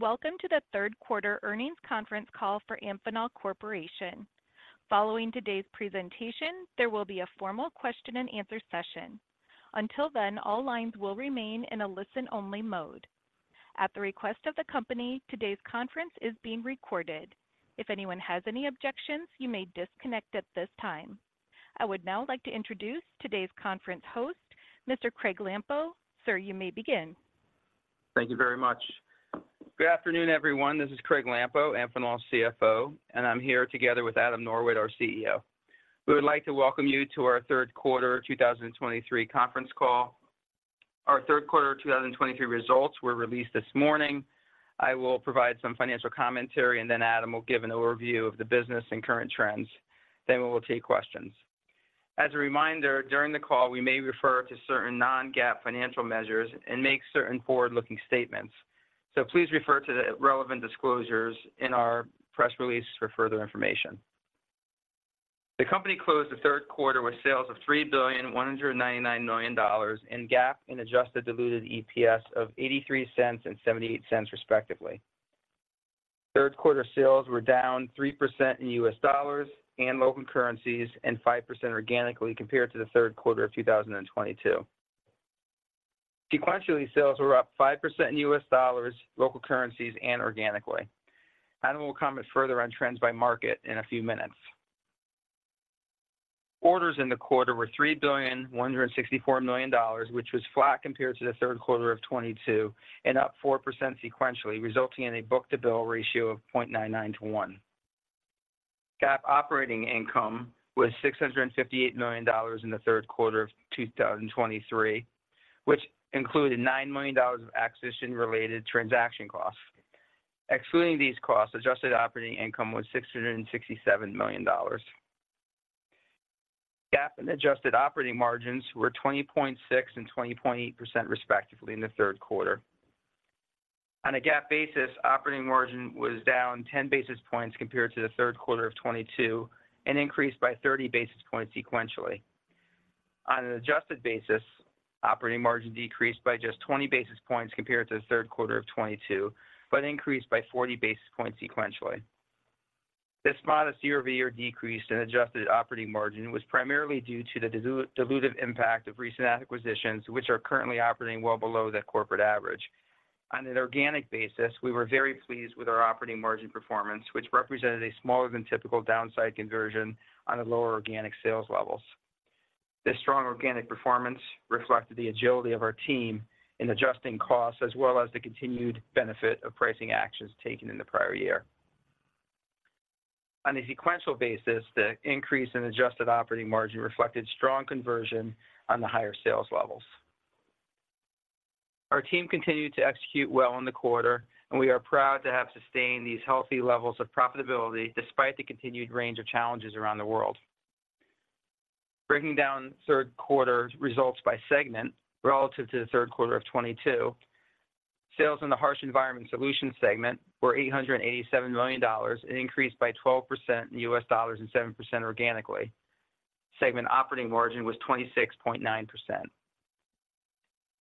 Welcome to the Q3 earnings conference call for Amphenol Corporation. Following today's presentation, there will be a formal question-and-answer session. Until then, all lines will remain in a listen-only mode. At the request of the company, today's conference is being recorded. If anyone has any objections, you may disconnect at this time. I would now like to introduce today's conference host, Mr. Craig Lampo. Sir, you may begin. Thank you very much. Good afternoon, everyone. This is Craig Lampo, Amphenol's CFO, and I'm here together with Adam Norwitt, our CEO. We would like to welcome you to our Q3 2023 conference call. Our Q3 2023 results were released this morning. I will provide some financial commentary, and then Adam will give an overview of the business and current trends. Then we will take questions. As a reminder, during the call, we may refer to certain non-GAAP financial measures and make certain forward-looking statements, so please refer to the relevant disclosures in our press release for further information. The company closed the Q3 with sales of $3.199 billion in GAAP and adjusted diluted EPS of $0.83 and $0.78, respectively. Q3 sales were down 3% in US dollars and local currencies, and 5% organically compared to the Q3 of 2022. Sequentially, sales were up 5% in US dollars, local currencies and organically. Adam will comment further on trends by market in a few minutes. Orders in the quarter were $3.164 billion, which was flat compared to the Q3 of 2022 and up 4% sequentially, resulting in a book-to-bill ratio of 0.99 to 1. GAAP operating income was $658 million in the Q3 of 2023, which included $9 million of acquisition-related transaction costs. Excluding these costs, adjusted operating income was $667 million. GAAP and adjusted operating margins were 20.6% and 20.8%, respectively, in the Q3. On a GAAP basis, operating margin was down 10 basis points compared to the Q3 of 2022 and increased by 30 basis points sequentially. On an adjusted basis, operating margin decreased by just 20 basis points compared to the Q3 of 2022, but increased by 40 basis points sequentially. This modest year-over-year decrease in adjusted operating margin was primarily due to the dilutive impact of recent acquisitions, which are currently operating well below the corporate average. On an organic basis, we were very pleased with our operating margin performance, which represented a smaller than typical downside conversion on the lower organic sales levels. This strong organic performance reflected the agility of our team in adjusting costs, as well as the continued benefit of pricing actions taken in the prior year. On a sequential basis, the increase in adjusted operating margin reflected strong conversion on the higher sales levels. Our team continued to execute well in the quarter, and we are proud to have sustained these healthy levels of profitability despite the continued range of challenges around the world. Breaking down Q3 results by segment relative to the Q3 of 2022, sales in the Harsh Environment Solutions segment were $887 million and increased by 12% in US dollars and 7% organically. Segment operating margin was 26.9%.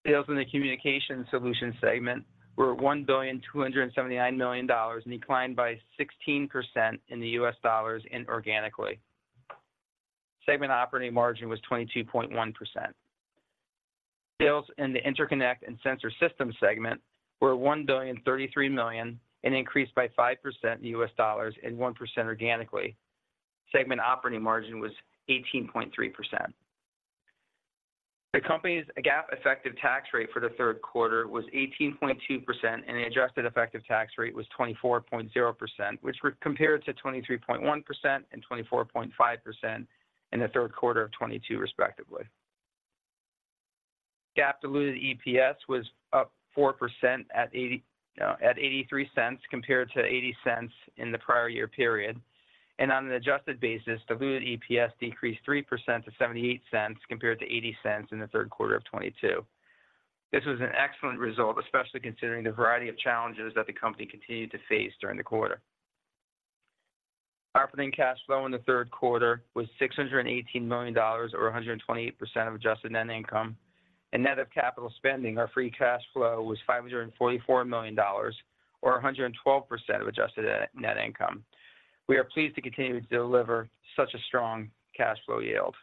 Sales in the Communication Solutions segment were $1,279 million and declined by 16% in the US dollars and organically. Segment operating margin was 22.1%. Sales in the Interconnect and Sensor Systems segment were $1.033 billion and increased by 5% in US dollars and 1% organically. Segment operating margin was 18.3%. The company's GAAP effective tax rate for the Q3 was 18.2%, and the adjusted effective tax rate was 24.0%, which were compared to 23.1% and 24.5% in the Q3 of 2022, respectively. GAAP diluted EPS was up 4% at $0.83, compared to $0.80 in the prior year period, and on an adjusted basis, diluted EPS decreased 3% to $0.78, compared to $0.80 in the Q3 of 2022. This was an excellent result, especially considering the variety of challenges that the company continued to face during the quarter. Operating cash flow in the Q3 was $618 million or 128% of adjusted net income and net of capital spending. Our free cash flow was $544 million, or 112% of adjusted net income. We are pleased to continue to deliver such a strong cash flow yield.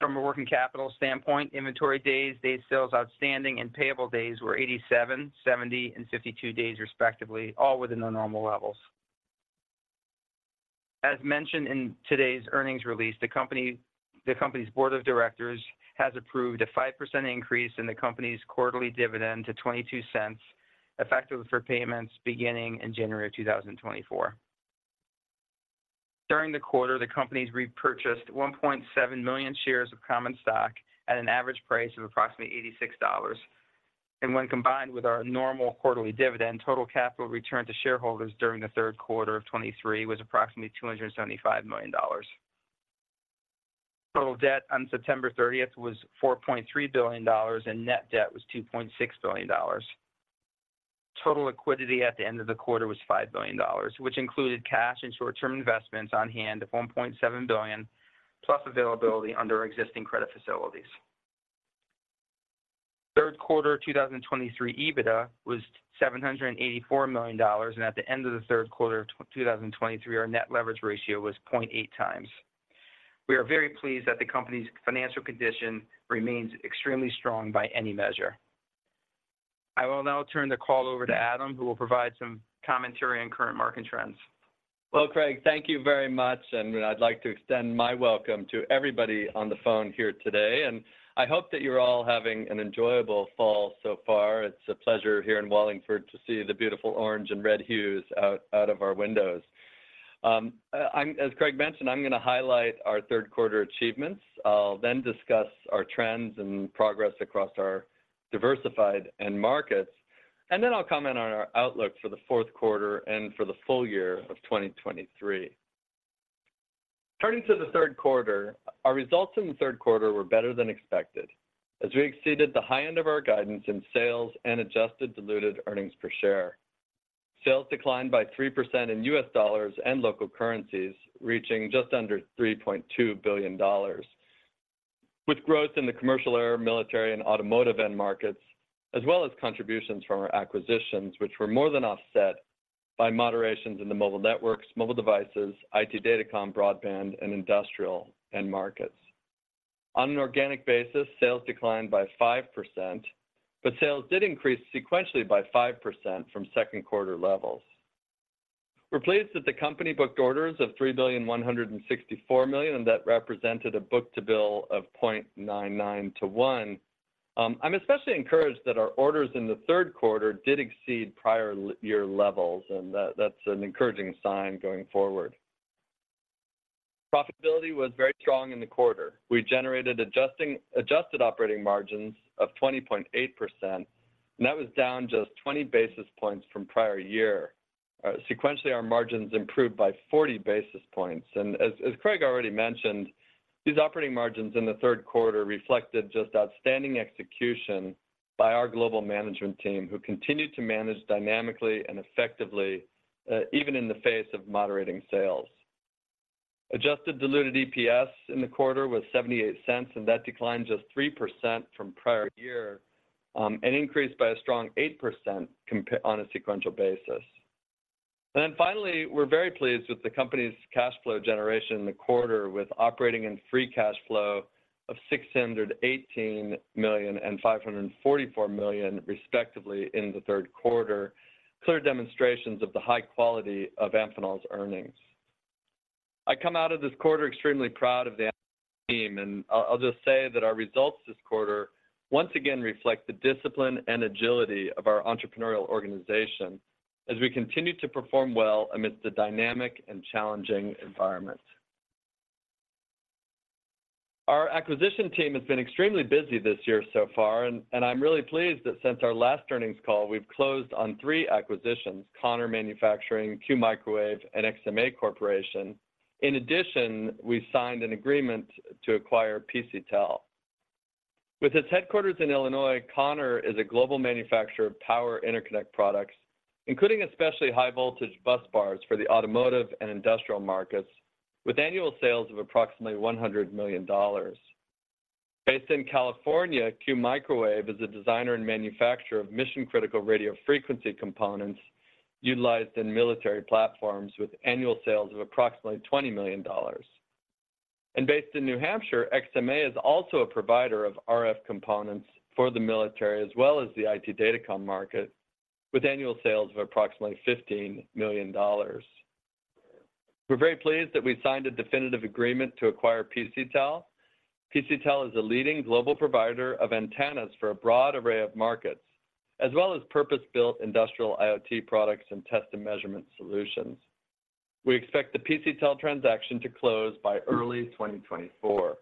From a working capital standpoint, inventory days, days sales outstanding, and payable days were 87, 70, and 52 days, respectively, all within the normal levels. As mentioned in today's earnings release, the company's board of directors has approved a 5% increase in the company's quarterly dividend to $0.22, effective for payments beginning in January 2024. During the quarter, the company repurchased 1.7 million shares of common stock at an average price of approximately $86, and when combined with our normal quarterly dividend, total capital return to shareholders during the Q3 of 2023 was approximately $275 million. Total debt on September thirtieth was $4.3 billion, and net debt was $2.6 billion. Total liquidity at the end of the quarter was $5 billion, which included cash and short-term investments on hand of $1.7 billion, plus availability under existing credit facilities.... Q3 2023 EBITDA was $784 million, and at the end of the Q3 of 2023, our net leverage ratio was 0.8 times. We are very pleased that the company's financial condition remains extremely strong by any measure. I will now turn the call over to Adam, who will provide some commentary on current market trends. Well, Craig, thank you very much, and I'd like to extend my welcome to everybody on the phone here today, and I hope that you're all having an enjoyable fall so far. It's a pleasure here in Wallingford to see the beautiful orange and red hues out of our windows. As Craig mentioned, I'm going to highlight our Q3 achievements. I'll then discuss our trends and progress across our diversified end markets, and then I'll comment on our outlook for the Q4 and for the full year of 2023. Turning to the Q3, our results in the Q3 were better than expected as we exceeded the high end of our guidance in sales and adjusted diluted earnings per share. Sales declined by 3% in US dollars and local currencies, reaching just under $3.2 billion, with growth in the commercial, air, military, and automotive end markets, as well as contributions from our acquisitions, which were more than offset by moderations in the mobile networks, mobile devices, IT datacom, broadband, and industrial end markets. On an organic basis, sales declined by 5%, but sales did increase sequentially by 5% from Q2 levels. We're pleased that the company booked orders of $3.164 billion, and that represented a book-to-bill of 0.99 to 1. I'm especially encouraged that our orders in the Q3 did exceed prior year levels, and that, that's an encouraging sign going forward. Profitability was very strong in the quarter. We generated adjusted operating margins of 20.8%, and that was down just 20 basis points from prior year. Sequentially, our margins improved by 40 basis points, and as Craig already mentioned, these operating margins in the Q3 reflected just outstanding execution by our global management team, who continued to manage dynamically and effectively, even in the face of moderating sales. Adjusted diluted EPS in the quarter was $0.78, and that declined just 3% from prior year, and increased by a strong 8% on a sequential basis. Then finally, we're very pleased with the company's cash flow generation in the quarter, with operating and free cash flow of $618 million and $544 million, respectively, in the Q3, clear demonstrations of the high quality of Amphenol's earnings. I come out of this quarter extremely proud of the team, and I'll just say that our results this quarter once again reflect the discipline and agility of our entrepreneurial organization as we continue to perform well amidst a dynamic and challenging environment. Our acquisition team has been extremely busy this year so far, and I'm really pleased that since our last earnings call, we've closed on three acquisitions: Connor Manufacturing, Q Microwave, and XMA Corporation. In addition, we signed an agreement to acquire PCTEL. With its headquarters in Illinois, Connor is a global manufacturer of power interconnect products, including especially high-voltage busbars for the automotive and industrial markets, with annual sales of approximately $100 million. Based in California, Q Microwave is a designer and manufacturer of mission-critical radio frequency components utilized in military platforms with annual sales of approximately $20 million. Based in New Hampshire, XMA is also a provider of RF components for the military, as well as the IT datacom market, with annual sales of approximately $15 million. We're very pleased that we signed a definitive agreement to acquire PCTEL. PCTEL is a leading global provider of antennas for a broad array of markets, as well as purpose-built industrial IoT products and test and measurement solutions. We expect the PCTEL transaction to close by early 2024.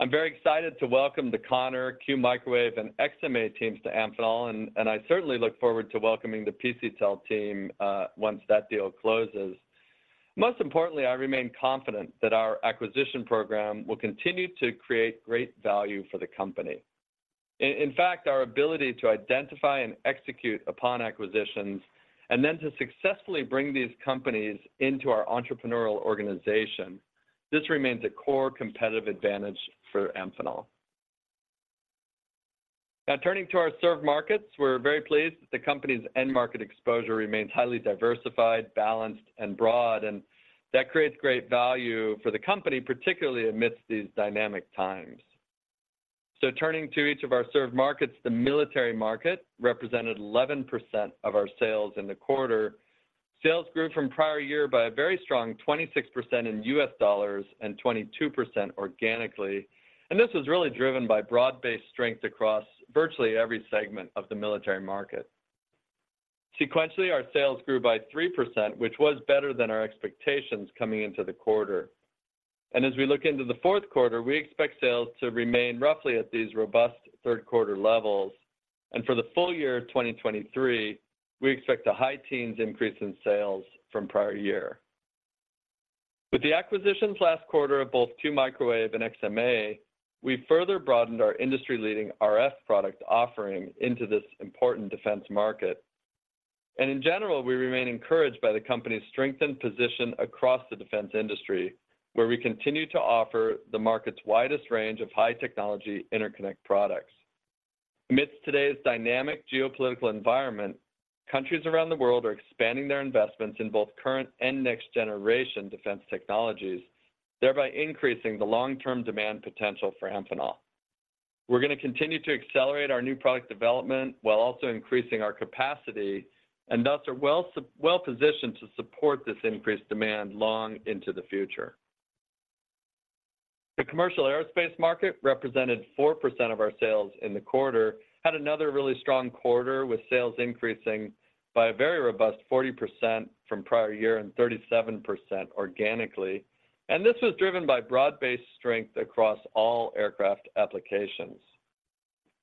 I'm very excited to welcome the Connor, Q Microwave, and XMA teams to Amphenol, and I certainly look forward to welcoming the PCTEL team once that deal closes. Most importantly, I remain confident that our acquisition program will continue to create great value for the company. In fact, our ability to identify and execute upon acquisitions and then to successfully bring these companies into our entrepreneurial organization, this remains a core competitive advantage for Amphenol. Now, turning to our served markets, we're very pleased that the company's end market exposure remains highly diversified, balanced, and broad, and that creates great value for the company, particularly amidst these dynamic times. So turning to each of our served markets, the military market represented 11% of our sales in the quarter. Sales grew from prior year by a very strong 26% in U.S. dollars and 22% organically, and this was really driven by broad-based strength across virtually every segment of the military market. Sequentially, our sales grew by 3%, which was better than our expectations coming into the quarter. As we look into the Q4, we expect sales to remain roughly at these robust Q3 levels. For the full year of 2023, we expect a high-teens increase in sales from prior year. With the acquisitions last quarter of both Q Microwave and XMA, we further broadened our industry-leading RF product offering into this important defense market. In general, we remain encouraged by the company's strengthened position across the defense industry, where we continue to offer the market's widest range of high-technology interconnect products. Amidst today's dynamic geopolitical environment, countries around the world are expanding their investments in both current and next-generation defense technologies, thereby increasing the long-term demand potential for Amphenol. We're going to continue to accelerate our new product development while also increasing our capacity, and thus are well positioned to support this increased demand long into the future. The commercial aerospace market represented 4% of our sales in the quarter, had another really strong quarter, with sales increasing by a very robust 40% from prior year and 37% organically, and this was driven by broad-based strength across all aircraft applications.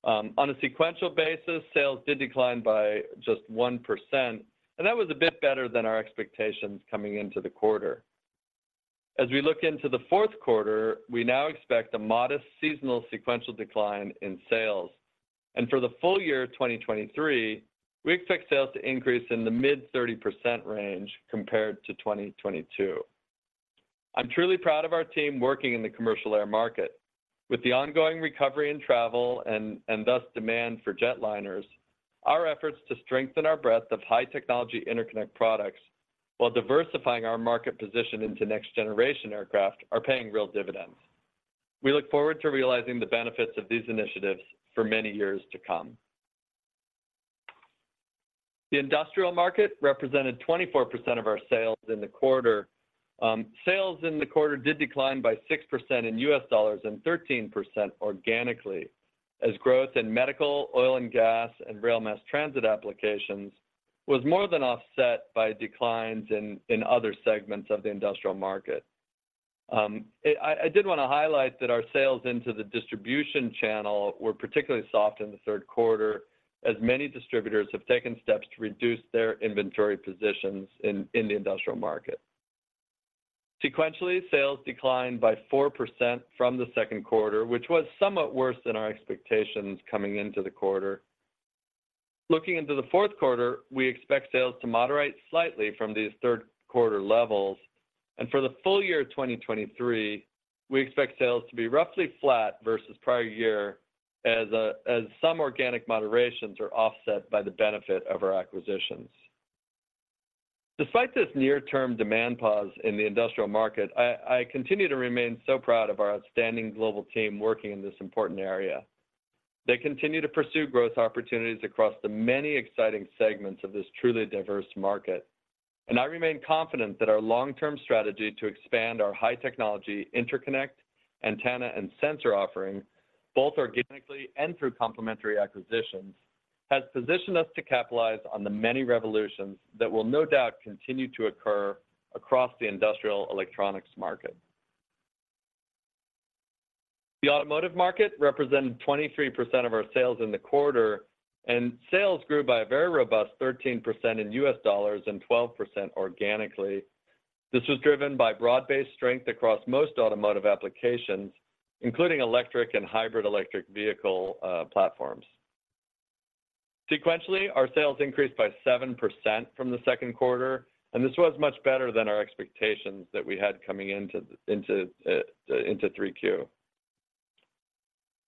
On a sequential basis, sales did decline by just 1%, and that was a bit better than our expectations coming into the quarter. As we look into the Q4, we now expect a modest seasonal sequential decline in sales, and for the full year of 2023, we expect sales to increase in the mid-30% range compared to 2022. I'm truly proud of our team working in the commercial air market. With the ongoing recovery in travel and thus, demand for jetliners, our efforts to strengthen our breadth of high-technology interconnect products while diversifying our market position into next-generation aircraft are paying real dividends. We look forward to realizing the benefits of these initiatives for many years to come. The industrial market represented 24% of our sales in the quarter. Sales in the quarter did decline by 6% in U.S. dollars and 13% organically, as growth in medical, oil and gas, and rail mass transit applications was more than offset by declines in other segments of the industrial market. I did want to highlight that our sales into the distribution channel were particularly soft in the Q3, as many distributors have taken steps to reduce their inventory positions in the industrial market. Sequentially, sales declined by 4% from the Q2, which was somewhat worse than our expectations coming into the quarter. Looking into the Q4, we expect sales to moderate slightly from these Q3 levels, and for the full year of 2023, we expect sales to be roughly flat versus prior year as some organic moderations are offset by the benefit of our acquisitions. Despite this near-term demand pause in the industrial market, I continue to remain so proud of our outstanding global team working in this important area. They continue to pursue growth opportunities across the many exciting segments of this truly diverse market. I remain confident that our long-term strategy to expand our high-technology interconnect, antenna, and sensor offering, both organically and through complementary acquisitions, has positioned us to capitalize on the many revolutions that will no doubt continue to occur across the industrial electronics market. The automotive market represented 23% of our sales in the quarter, and sales grew by a very robust 13% in US dollars and 12% organically. This was driven by broad-based strength across most automotive applications, including electric and hybrid electric vehicle platforms. Sequentially, our sales increased by 7% from the Q2, and this was much better than our expectations that we had coming into Q3.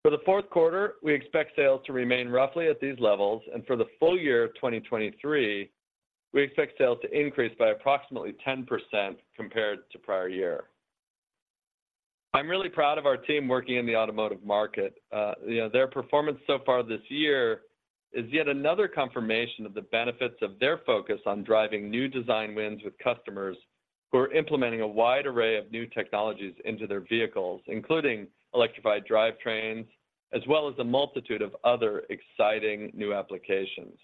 For the Q4, we expect sales to remain roughly at these levels, and for the full year of 2023, we expect sales to increase by approximately 10% compared to prior year. I'm really proud of our team working in the automotive market. You know, their performance so far this year is yet another confirmation of the benefits of their focus on driving new design wins with customers who are implementing a wide array of new technologies into their vehicles, including electrified drivetrains, as well as a multitude of other exciting new applications.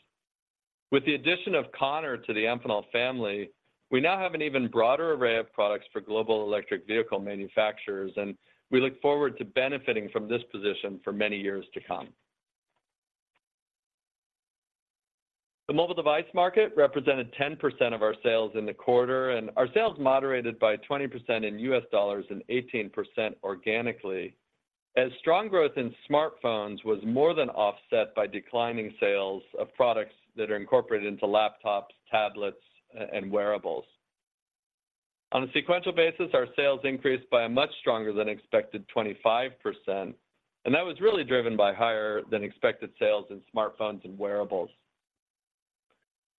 With the addition of Connor to the Amphenol family, we now have an even broader array of products for global electric vehicle manufacturers, and we look forward to benefiting from this position for many years to come. The mobile device market represented 10% of our sales in the quarter, and our sales moderated by 20% in US dollars and 18% organically, as strong growth in smartphones was more than offset by declining sales of products that are incorporated into laptops, tablets, and wearables. On a sequential basis, our sales increased by a much stronger than expected 25%, and that was really driven by higher-than-expected sales in smartphones and wearables.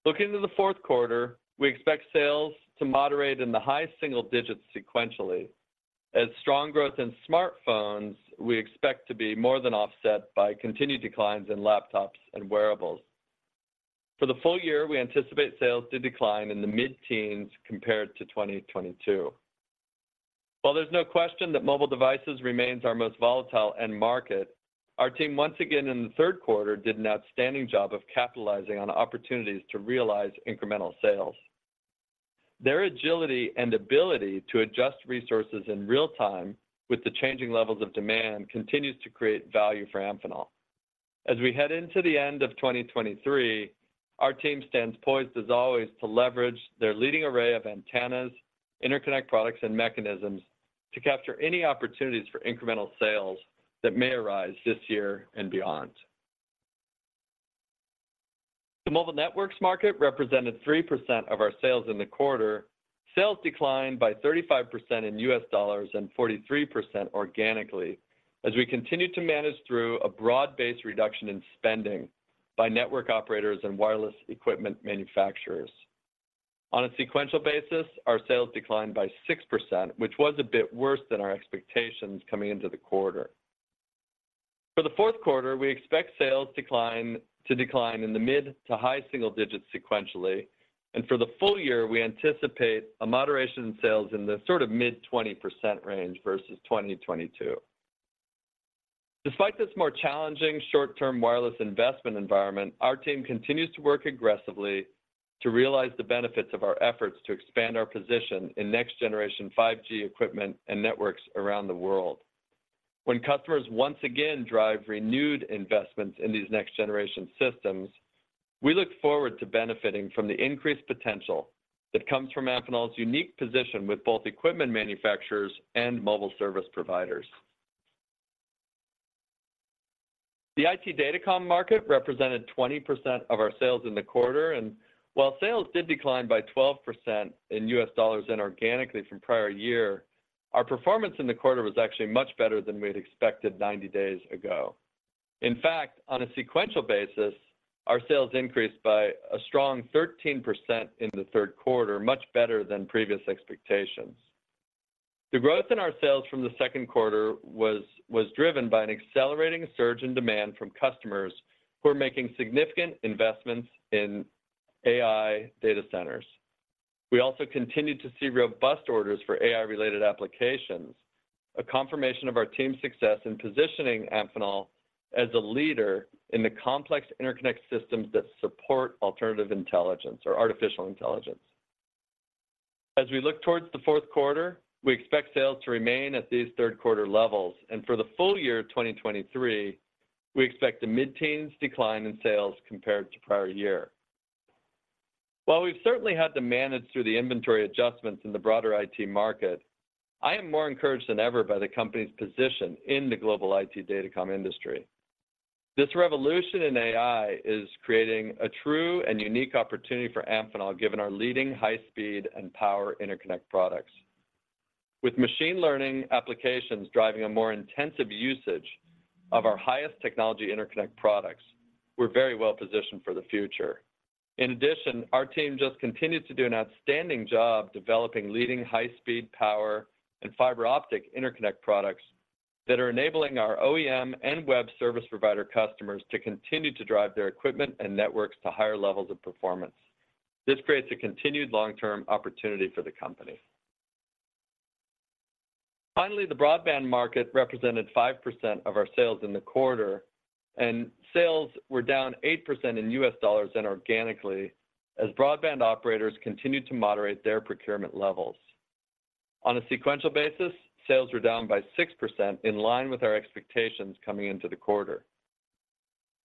Looking to the Q4, we expect sales to moderate in the high single digits sequentially. As strong growth in smartphones, we expect to be more than offset by continued declines in laptops and wearables. For the full year, we anticipate sales to decline in the mid-teens compared to 2022. While there's no question that mobile devices remains our most volatile end market, our team once again in the Q3, did an outstanding job of capitalizing on opportunities to realize incremental sales. Their agility and ability to adjust resources in real time with the changing levels of demand continues to create value for Amphenol. As we head into the end of 2023, our team stands poised, as always, to leverage their leading array of antennas, interconnect products, and mechanisms... to capture any opportunities for incremental sales that may arise this year and beyond. The mobile networks market represented 3% of our sales in the quarter. Sales declined by 35% in U.S. dollars and 43% organically, as we continued to manage through a broad-based reduction in spending by network operators and wireless equipment manufacturers. On a sequential basis, our sales declined by 6%, which was a bit worse than our expectations coming into the quarter. For the Q4, we expect sales to decline in the mid- to high-single digits sequentially, and for the full year, we anticipate a moderation in sales in the sort of mid-20% range versus 2022. Despite this more challenging short-term wireless investment environment, our team continues to work aggressively to realize the benefits of our efforts to expand our position in next-generation 5G equipment and networks around the world. When customers once again drive renewed investments in these next-generation systems, we look forward to benefiting from the increased potential that comes from Amphenol's unique position with both equipment manufacturers and mobile service providers. The IT Data comm market represented 20% of our sales in the quarter, and while sales did decline by 12% in U.S. dollars and organically from prior year, our performance in the quarter was actually much better than we had expected 90 days ago. In fact, on a sequential basis, our sales increased by a strong 13% in the Q3, much better than previous expectations. The growth in our sales from the Q2 was driven by an accelerating surge in demand from customers who are making significant investments in AI data centers. We also continued to see robust orders for AI-related applications, a confirmation of our team's success in positioning Amphenol as a leader in the complex interconnect systems that support alternative intelligence or artificial intelligence. As we look towards the Q4, we expect sales to remain at these Q3 levels, and for the full year of 2023, we expect a mid-teens decline in sales compared to prior year. While we've certainly had to manage through the inventory adjustments in the broader IT market, I am more encouraged than ever by the company's position in the global IT datacom industry. This revolution in AI is creating a true and unique opportunity for Amphenol, given our leading high-speed and power interconnect products. With machine learning applications driving a more intensive usage of our highest technology interconnect products, we're very well positioned for the future. In addition, our team just continued to do an outstanding job developing leading high-speed power and fiber optic interconnect products that are enabling our OEM and web service provider customers to continue to drive their equipment and networks to higher levels of performance. This creates a continued long-term opportunity for the company. Finally, the broadband market represented 5% of our sales in the quarter, and sales were down 8% in U.S. dollars and organically, as broadband operators continued to moderate their procurement levels. On a sequential basis, sales were down by 6%, in line with our expectations coming into the quarter.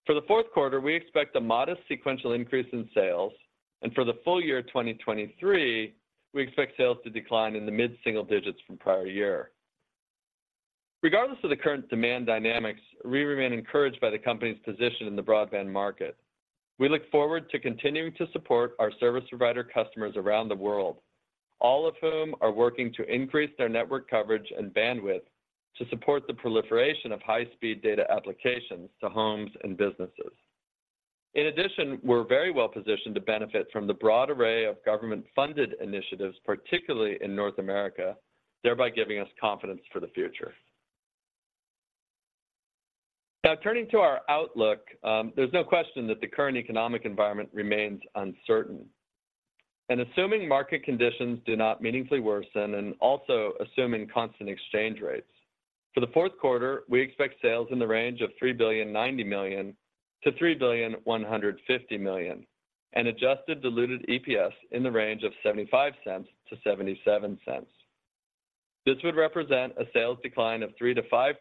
For the Q4, we expect a modest sequential increase in sales, and for the full year of 2023, we expect sales to decline in the mid-single digits from prior year. Regardless of the current demand dynamics, we remain encouraged by the company's position in the broadband market. We look forward to continuing to support our service provider customers around the world, all of whom are working to increase their network coverage and bandwidth to support the proliferation of high-speed data applications to homes and businesses. In addition, we're very well positioned to benefit from the broad array of government-funded initiatives, particularly in North America, thereby giving us confidence for the future. Now, turning to our outlook, there's no question that the current economic environment remains uncertain. And assuming market conditions do not meaningfully worsen, and also assuming constant exchange rates, for the Q4, we expect sales in the range of $3.09 billion-$3.15 billion, and adjusted diluted EPS in the range of $0.75-$0.77. This would represent a sales decline of 3%-5%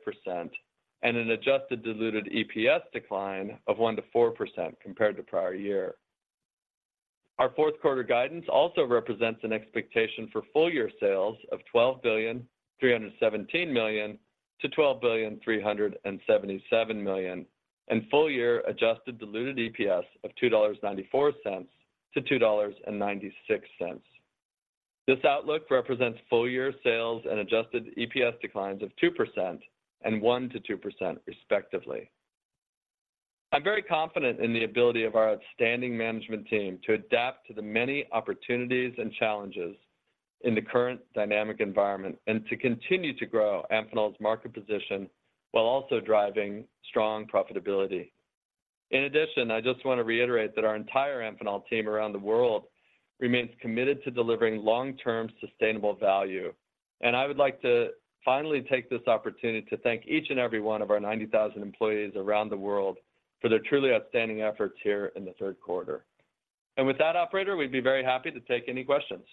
and an adjusted diluted EPS decline of 1%-4% compared to prior year. Our Q4 guidance also represents an expectation for full-year sales of $12.317 billion to $12.377 billion, and full-year adjusted diluted EPS of $2.94 to $2.96. This outlook represents full-year sales and adjusted EPS declines of 2% and 1%-2%, respectively. I'm very confident in the ability of our outstanding management team to adapt to the many opportunities and challenges in the current dynamic environment, and to continue to grow Amphenol's market position while also driving strong profitability. In addition, I just want to reiterate that our entire Amphenol team around the world remains committed to delivering long-term, sustainable value. I would like to finally take this opportunity to thank each and every one of our 90,000 employees around the world for their truly outstanding efforts here in the Q3. With that, operator, we'd be very happy to take any questions....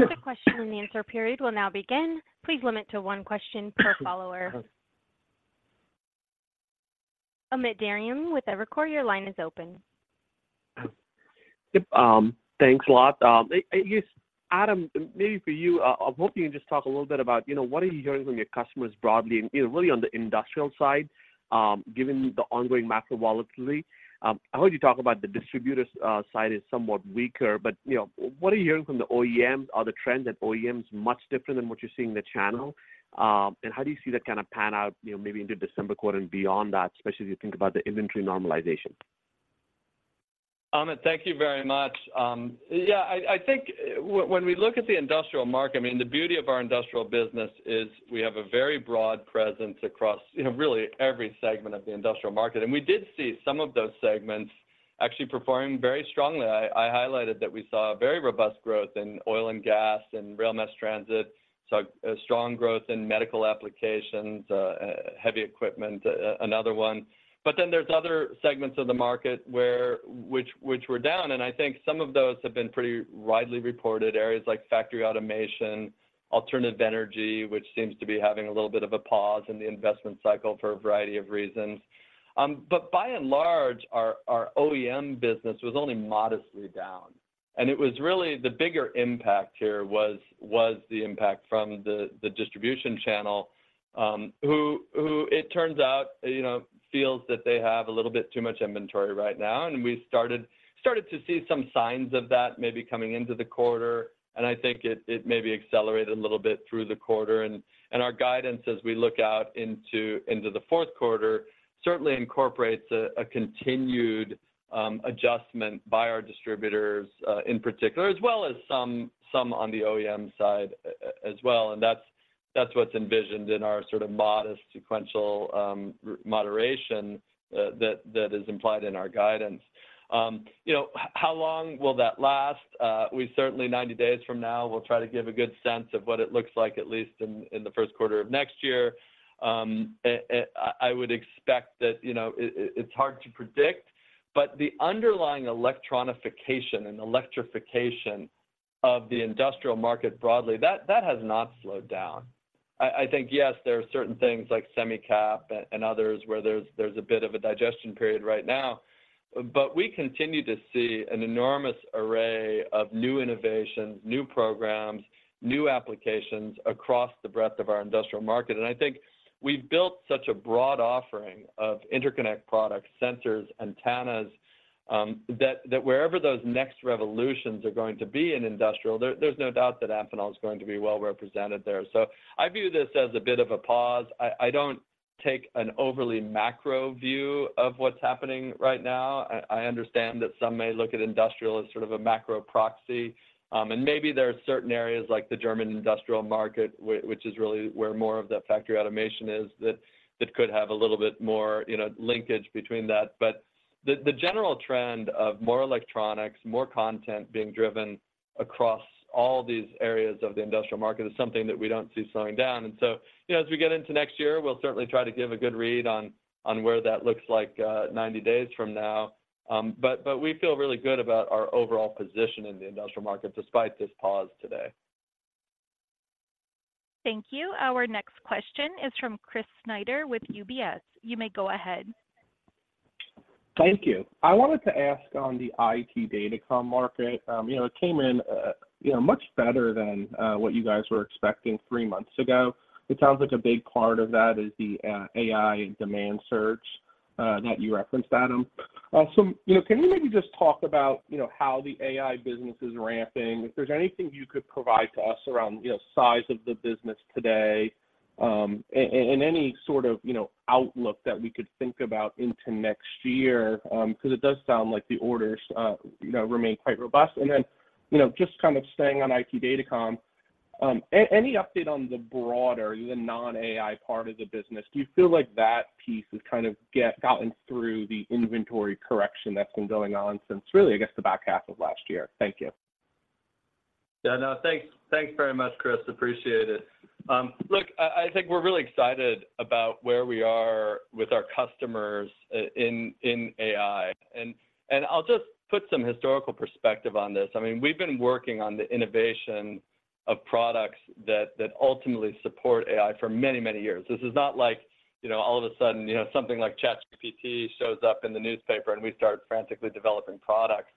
The question and answer period will now begin. Please limit to one question per follower. Amit Daryanani with Evercore, your line is open. Yep, thanks a lot. I guess, Adam, maybe for you, I'm hoping you can just talk a little bit about, you know, what are you hearing from your customers broadly and, you know, really on the industrial side, given the ongoing macro volatility? I heard you talk about the distributors' side is somewhat weaker, but, you know, what are you hearing from the OEMs? Are the trends at OEMs much different than what you're seeing in the channel? And how do you see that kind of pan out, you know, maybe into December quarter and beyond that, especially as you think about the inventory normalization? Amit, thank you very much. Yeah, I think when we look at the industrial market, I mean, the beauty of our industrial business is we have a very broad presence across, you know, really every segment of the industrial market. We did see some of those segments actually performing very strongly. I highlighted that we saw very robust growth in oil and gas and rail mass transit, saw a strong growth in medical applications, heavy equipment, another one. But then there's other segments of the market where, which were down, and I think some of those have been pretty widely reported, areas like factory automation, alternative energy, which seems to be having a little bit of a pause in the investment cycle for a variety of reasons. But by and large, our OEM business was only modestly down, and it was really the bigger impact here was the impact from the distribution channel, who it turns out, you know, feels that they have a little bit too much inventory right now. And we started to see some signs of that maybe coming into the quarter, and I think it maybe accelerated a little bit through the quarter. And our guidance as we look out into the Q4 certainly incorporates a continued adjustment by our distributors, in particular, as well as some on the OEM side as well. And that's what's envisioned in our sort of modest sequential moderation that is implied in our guidance. You know, how long will that last? We certainly, 90 days from now, will try to give a good sense of what it looks like, at least in the Q1 of next year. I would expect that, you know, it, it's hard to predict, but the underlying electronification and electrification of the industrial market broadly has not slowed down. I think, yes, there are certain things like Semicap and others where there's a bit of a digestion period right now, but we continue to see an enormous array of new innovations, new programs, new applications across the breadth of our industrial market. And I think we've built such a broad offering of interconnect products, sensors, antennas, that wherever those next revolutions are going to be in industrial, there's no doubt that Amphenol is going to be well represented there. So I view this as a bit of a pause. I don't take an overly macro view of what's happening right now. I understand that some may look at industrial as sort of a macro proxy. And maybe there are certain areas like the German industrial market, which is really where more of the factory automation is, that could have a little bit more, you know, linkage between that. But the general trend of more electronics, more content being driven across all these areas of the industrial market is something that we don't see slowing down. And so, you know, as we get into next year, we'll certainly try to give a good read on where that looks like 90 days from now. But we feel really good about our overall position in the industrial market, despite this pause today. Thank you. Our next question is from Chris Snyder with UBS. You may go ahead. Thank you. I wanted to ask on the IT Datacom market, you know, it came in, you know, much better than what you guys were expecting three months ago. It sounds like a big part of that is the AI demand surge that you referenced, Adam. So, you know, can you maybe just talk about, you know, how the AI business is ramping, if there's anything you could provide to us around, you know, size of the business today, and any sort of, you know, outlook that we could think about into next year? Because it does sound like the orders, you know, remain quite robust. And then, you know, just kind of staying on IT Datacom, any update on the broader, the non-AI part of the business? Do you feel like that piece is kind of gotten through the inventory correction that's been going on since really, I guess, the back half of last year? Thank you. Yeah, no, thanks. Thanks very much, Chris. Appreciate it. Look, I think we're really excited about where we are with our customers in AI. And I'll just put some historical perspective on this. I mean, we've been working on the innovation of products that ultimately support AI for many, many years. This is not like, you know, all of a sudden, you know, something like ChatGPT shows up in the newspaper, and we start frantically developing products.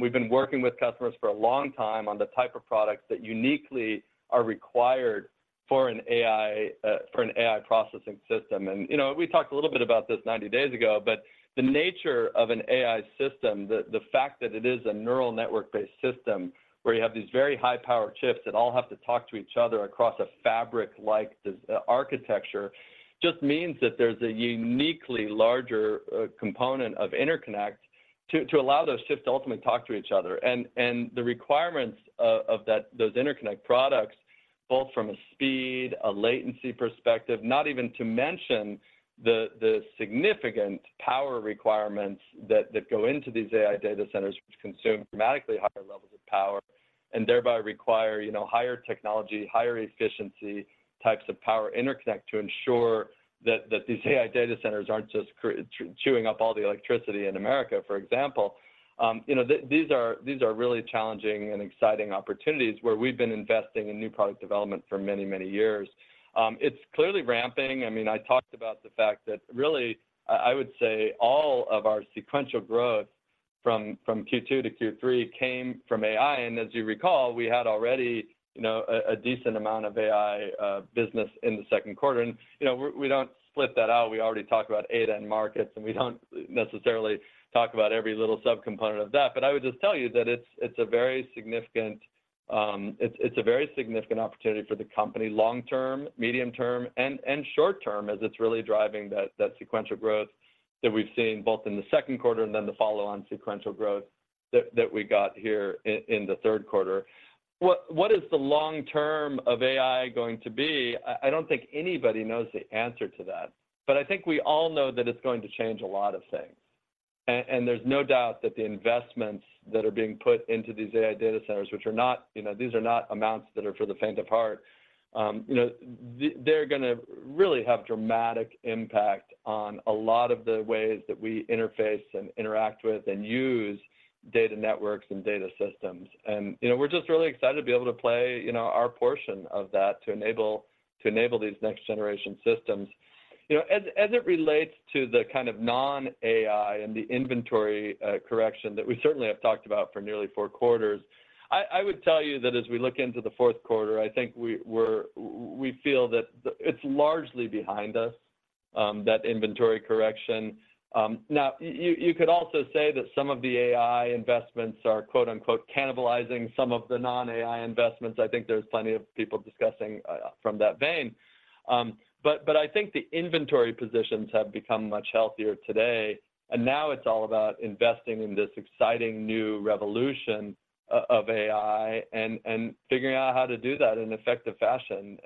We've been working with customers for a long time on the type of products that uniquely are required for an AI, for an AI processing system. You know, we talked a little bit about this 90 days ago, but the nature of an AI system, the fact that it is a neural network-based system, where you have these very high-powered chips that all have to talk to each other across a fabric-like architecture, just means that there's a uniquely larger component of interconnect to allow those chips to ultimately talk to each other. And the requirements of that, those interconnect products, both from a speed, a latency perspective, not even to mention the significant power requirements that go into these AI data centers, which consume dramatically higher levels of power and thereby require, you know, higher technology, higher efficiency types of power interconnect to ensure that these AI data centers aren't just chewing up all the electricity in America, for example. You know, these are, these are really challenging and exciting opportunities where we've been investing in new product development for many, many years. It's clearly ramping. I mean, I talked about the fact that really I, I would say all of our sequential growth from Q2 to Q3 came from AI. And as you recall, we had already, you know, a decent amount of AI business in the Q2. And, you know, we don't split that out. We already talked about data and markets, and we don't necessarily talk about every little subcomponent of that. But I would just tell you that it's, it's a very significant, it's, it's a very significant opportunity for the company long term, medium term, and, and short term, as it's really driving that, that sequential growth that we've seen both in the Q2 and then the follow-on sequential growth that, that we got here in the Q3. What, what is the long term of AI going to be? I, I don't think anybody knows the answer to that, but I think we all know that it's going to change a lot of things. And there's no doubt that the investments that are being put into these AI data centers, which are not-- you know, these are not amounts that are for the faint of heart, you know, they're gonna really have dramatic impact on a lot of the ways that we interface and interact with and use data networks and data systems. And, you know, we're just really excited to be able to play, you know, our portion of that, to enable, to enable these next-generation systems. You know, as it relates to the kind of non-AI and the inventory correction that we certainly have talked about for nearly four quarters, I would tell you that as we look into the Q4, I think we're feel that it's largely behind us, that inventory correction. Now, you could also say that some of the AI investments are, quote-unquote, "cannibalizing" some of the non-AI investments. I think there's plenty of people discussing from that vein. But I think the inventory positions have become much healthier today, and now it's all about investing in this exciting new revolution of AI and figuring out how to do that in an effective fashion.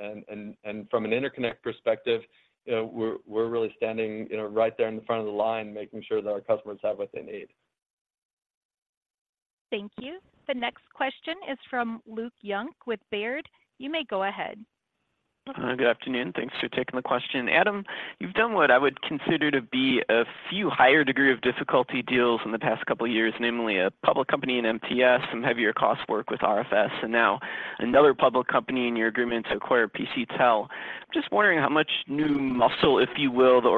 And from an interconnect perspective, we're really standing, you know, right there in the front of the line, making sure that our customers have what they need. Thank you. The next question is from Luke Junk with Baird. You may go ahead. Hi. Good afternoon. Thanks for taking the question. Adam, you've done what I would consider to be a few higher degree of difficulty deals in the past couple of years, namely a public company in MTS, some heavier cost work with RFS, and now another public company in your agreement to acquire PCTEL. I'm just wondering how much new muscle, if you will, the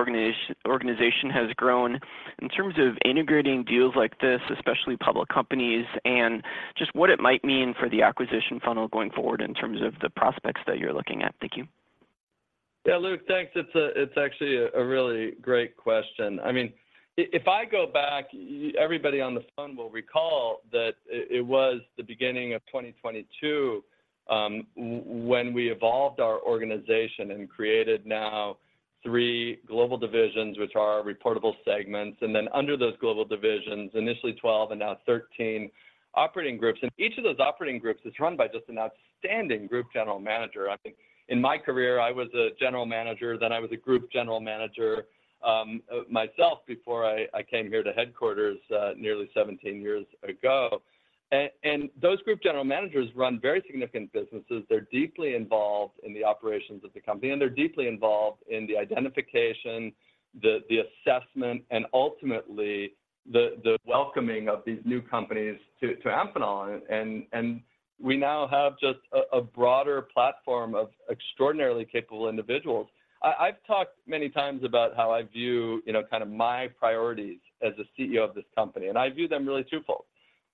organization has grown in terms of integrating deals like this, especially public companies, and just what it might mean for the acquisition funnel going forward in terms of the prospects that you're looking at. Thank you. Yeah, Luke, thanks. It's actually a really great question. I mean, if I go back, everybody on the phone will recall that it was the beginning of 2022, when we evolved our organization and created now three global divisions, which are our reportable segments, and then under those global divisions, initially 12 and now 13 operating groups. And each of those operating groups is run by just an outstanding group general manager. I think in my career, I was a general manager, then I was a group general manager, myself before I came here to headquarters nearly 17 years ago. And those group general managers run very significant businesses. They're deeply involved in the operations of the company, and they're deeply involved in the identification, the assessment, and ultimately, the welcoming of these new companies to Amphenol. And we now have just a broader platform of extraordinarily capable individuals. I've talked many times about how I view, you know, kind of my priorities as a CEO of this company, and I view them really twofold.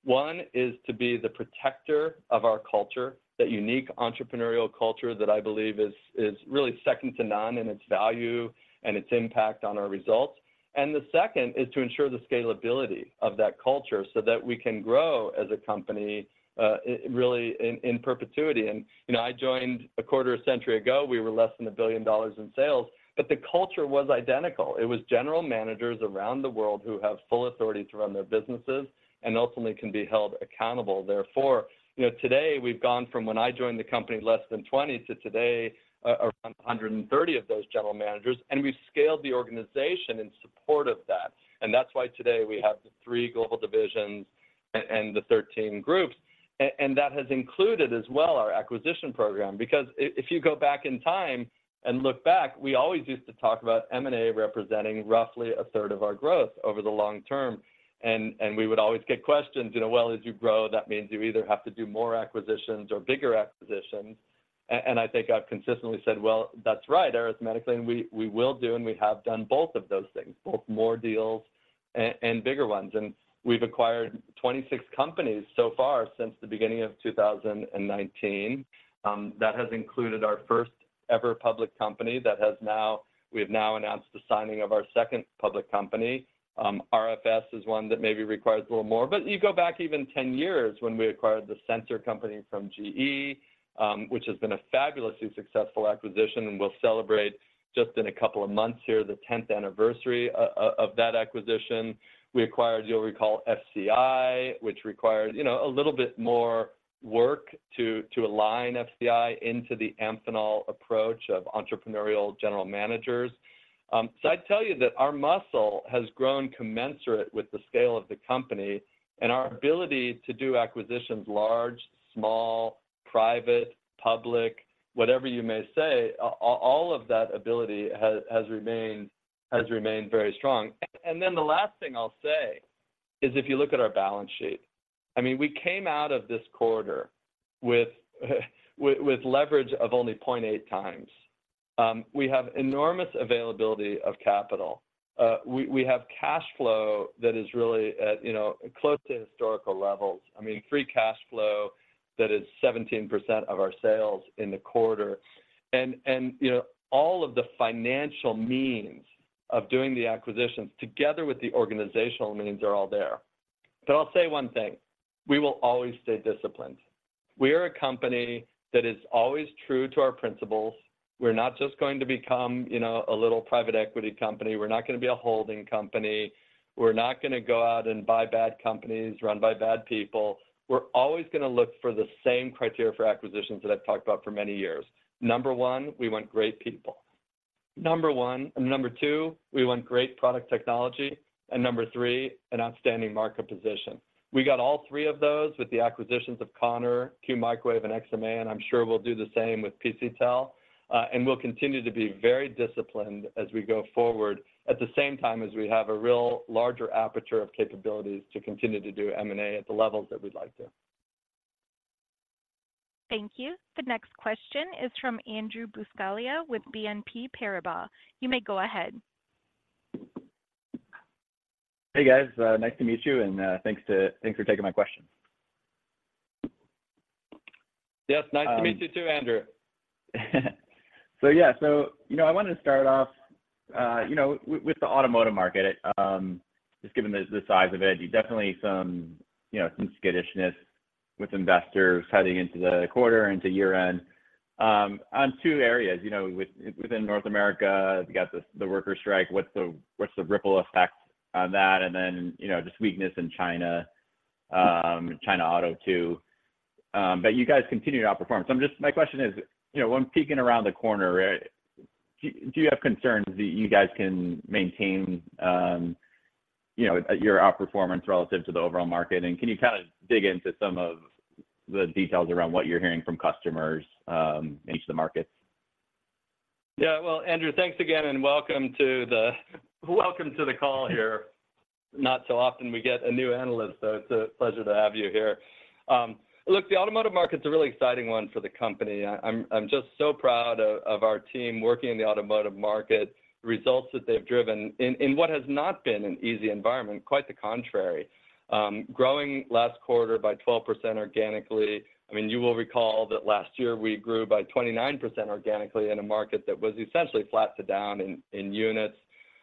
One is to be the protector of our culture, that unique entrepreneurial culture that I believe is really second to none in its value and its impact on our results. And the second is to ensure the scalability of that culture so that we can grow as a company really in perpetuity. You know, I joined a quarter century ago. We were less than $1 billion in sales, but the culture was identical. It was general managers around the world who have full authority to run their businesses and ultimately can be held accountable therefore. You know, today, we've gone from when I joined the company, less than 20, to today, around 130 of those general managers, and we've scaled the organization in support of that. And that's why today we have the three global divisions and the 13 groups. And that has included as well our acquisition program, because if you go back in time and look back, we always used to talk about M&A representing roughly one-third of our growth over the long term. We would always get questions, you know, "Well, as you grow, that means you either have to do more acquisitions or bigger acquisitions." And I think I've consistently said, "Well, that's right, arithmetically, and we will do, and we have done both of those things, both more deals and bigger ones." And we've acquired 26 companies so far since the beginning of 2019. That has included our first ever public company that has now. We have now announced the signing of our second public company. RFS is one that maybe requires a little more, but you go back even 10 years when we acquired the sensor company from GE, which has been a fabulously successful acquisition, and we'll celebrate just in a couple of months here, the 10th anniversary of that acquisition. We acquired, you'll recall, FCI, which required, you know, a little bit more work to align FCI into the Amphenol approach of entrepreneurial general managers. So I'd tell you that our muscle has grown commensurate with the scale of the company, and our ability to do acquisitions, large, small, private, public, whatever you may say, all of that ability has remained very strong. And then the last thing I'll say is, if you look at our balance sheet, I mean, we came out of this quarter with leverage of only 0.8 times. We have enormous availability of capital. We have cash flow that is really at, you know, close to historical levels. I mean, free cash flow that is 17% of our sales in the quarter. And, you know, all of the financial means of doing the acquisitions, together with the organizational means, are all there. But I'll say one thing: we will always stay disciplined. We are a company that is always true to our principles. We're not just going to become, you know, a little private equity company. We're not gonna be a holding company. We're not gonna go out and buy bad companies run by bad people. We're always gonna look for the same criteria for acquisitions that I've talked about for many years. Number one, we want great people, number one. And number two, we want great product technology. And number three, an outstanding market position. We got all three of those with the acquisitions of Connor, Q Microwave, and XMA, and I'm sure we'll do the same with PCTEL. We'll continue to be very disciplined as we go forward, at the same time as we have a real larger aperture of capabilities to continue to do M&A at the levels that we'd like to. Thank you. The next question is from Andrew Buscaglia with BNP Paribas. You may go ahead. Hey, guys. Nice to meet you, and thanks for taking my question. Yes, nice to meet you too, Andrew. So, yeah. So, you know, I wanted to start off, you know, with the automotive market. Just given the size of it, you definitely some, you know, some skittishness with investors heading into the quarter, into year-end. On two areas, you know, within North America, you got the workers strike, what's the ripple effect on that? And then, you know, just weakness in China, China auto, too. But you guys continue to outperform. So I'm just, my question is, you know, when peeking around the corner, do you have concerns that you guys can maintain, you know, your outperformance relative to the overall market? And can you kind of dig into some of the details around what you're hearing from customers in each of the markets? Yeah. Well, Andrew, thanks again, and welcome to the call here. Not so often we get a new analyst, so it's a pleasure to have you here. Look, the automotive market's a really exciting one for the company. I'm just so proud of our team working in the automotive market. The results that they've driven in what has not been an easy environment, quite the contrary. Growing last quarter by 12% organically, I mean, you will recall that last year we grew by 29% organically in a market that was essentially flat to down in units.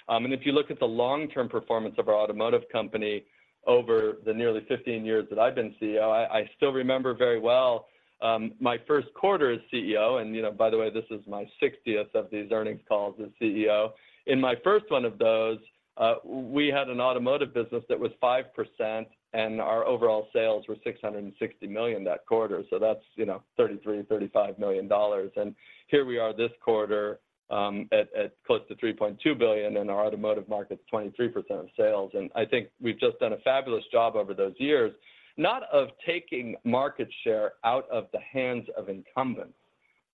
And if you look at the long-term performance of our automotive company over the nearly 15 years that I've been CEO, I still remember very well my Q1 as CEO. You know, by the way, this is my 60th of these earnings calls as CEO. In my first one of those, we had an automotive business that was 5%, and our overall sales were $660 million that quarter. So that's, you know, $33-$35 million. And here we are this quarter, at close to $3.2 billion, and our automotive market's 23% of sales. And I think we've just done a fabulous job over those years, not of taking market share out of the hands of incumbents,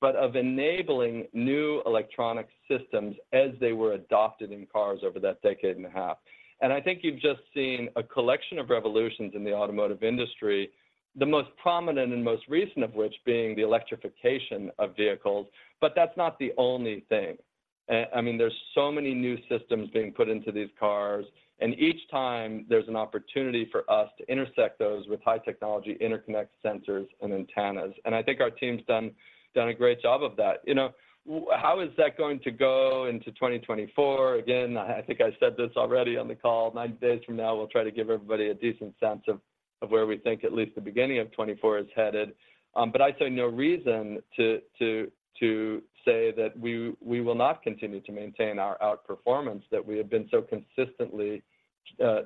but of enabling new electronic systems as they were adopted in cars over that decade and a half. And I think you've just seen a collection of revolutions in the automotive industry, the most prominent and most recent of which being the electrification of vehicles, but that's not the only thing. I mean, there's so many new systems being put into these cars, and each time there's an opportunity for us to intersect those with high technology, interconnect sensors, and antennas. I think our team's done a great job of that. You know, how is that going to go into 2024? Again, I think I said this already on the call. Nine days from now, we'll try to give everybody a decent sense of where we think at least the beginning of 2024 is headed. But I see no reason to say that we will not continue to maintain our outperformance that we have been so consistently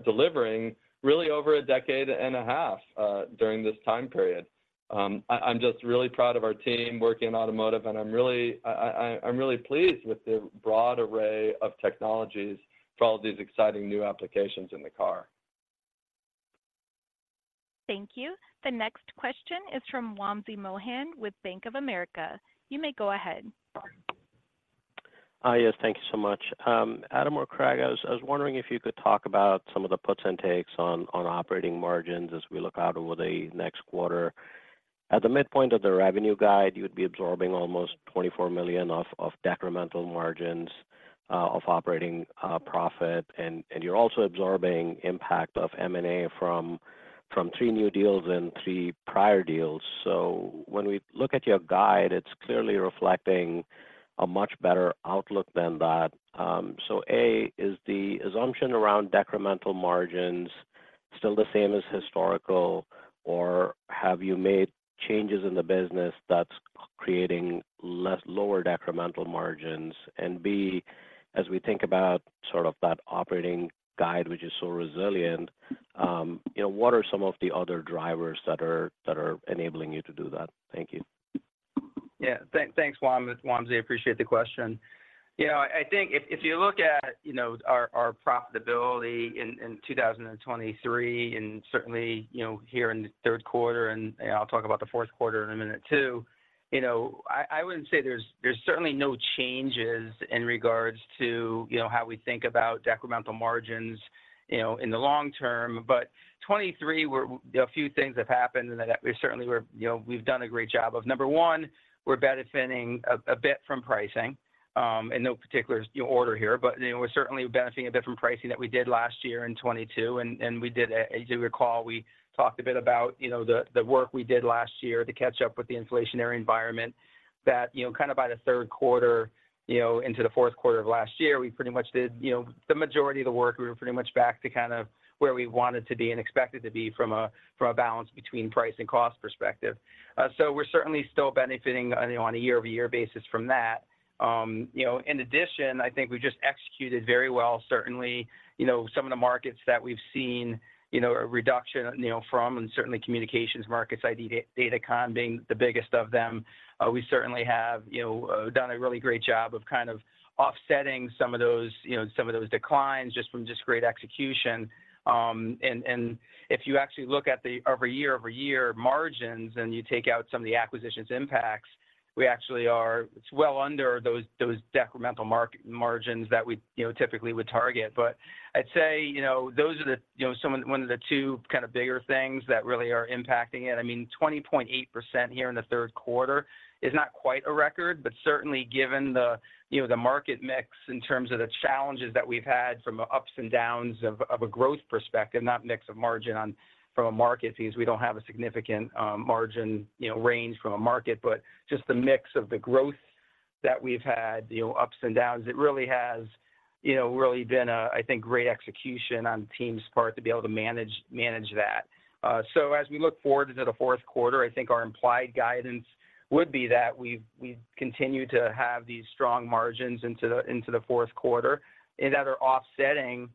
delivering really over a decade and a half during this time period. I'm just really proud of our team working in automotive, and I'm really pleased with the broad array of technologies for all these exciting new applications in the car. Thank you. The next question is from Wamsi Mohan with Bank of America. You may go ahead. Yes, thank you so much. Adam or Craig, I was wondering if you could talk about some of the puts and takes on operating margins as we look out over the next quarter. At the midpoint of the revenue guide, you'd be absorbing almost $24 million of decremental margins of operating profit. And you're also absorbing impact of M&A from three new deals and three prior deals. So when we look at your guide, it's clearly reflecting a much better outlook than that. So, A, is the assumption around decremental margins still the same as historical, or have you made changes in the business that's creating less lower decremental margins. And B, as we think about sort of that operating guide, which is so resilient, you know, what are some of the other drivers that are enabling you to do that? Thank you. Yeah. Thanks, Wamsi. I appreciate the question. You know, I think if you look at, you know, our profitability in 2023, and certainly, you know, here in the Q3, and I'll talk about the Q4 in a minute too. You know, I wouldn't say there's certainly no changes in regards to, you know, how we think about decremental margins, you know, in the long term. But 2023, a few things have happened, and we certainly were, you know, we've done a great job of, number one, we're benefiting a bit from pricing. In no particular order here, but, you know, we're certainly benefiting a bit from pricing that we did last year in 2022, and we did, as you recall, we talked a bit about, you know, the work we did last year to catch up with the inflationary environment that, you know, kind of by the Q3, you know, into the Q4 of last year, we pretty much did, you know, the majority of the work. We were pretty much back to kind of where we wanted to be and expected to be from a balance between price and cost perspective. So we're certainly still benefiting on a year-over-year basis from that. You know, in addition, I think we just executed very well. Certainly, you know, some of the markets that we've seen, you know, a reduction, you know, from, and certainly communications markets, IT datacom being the biggest of them. We certainly have, you know, done a really great job of kind of offsetting some of those, you know, some of those declines just from just great execution. And, and if you actually look at the year-over-year margins, and you take out some of the acquisitions impacts, we actually are—it's well under those, those decremental margins that we, you know, typically would target. But I'd say, you know, those are the, you know, some of—one of the two kind of bigger things that really are impacting it. I mean, 20.8% here in the Q3 is not quite a record, but certainly given the, you know, the market mix in terms of the challenges that we've had from the ups and downs of, of a growth perspective, not mix of margin on from a market piece. We don't have a significant, margin, you know, range from a market, but just the mix of the growth that we've had, you know, ups and downs, it really has, you know, really been a, I think, great execution on the team's part to be able to manage, manage that. So as we look forward into the Q4, I think our implied guidance would be that we've continued to have these strong margins into the Q4, and that are offsetting